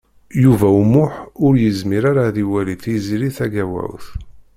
Yuba U Muḥ ur yezmir ara ad iwali Tiziri Tagawawt.